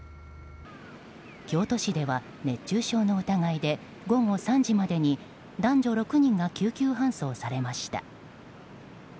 京都市では熱中症の疑いで午後３時までに男女６人が救急搬送されました。